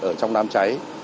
ở trong đám cháy